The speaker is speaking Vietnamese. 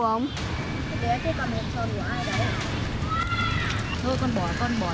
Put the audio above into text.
thôi con bỏ con bỏ hộp tròn vào đây